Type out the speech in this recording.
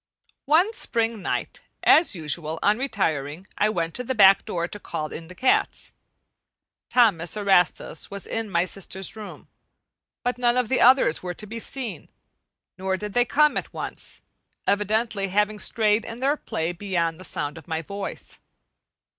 One spring night, as usual on retiring, I went to the back door to call in the cats. Thomas Erastus was in my sister's room, but none of the others were to be seen; nor did they come at once, evidently having strayed in their play beyond the sound of my voice.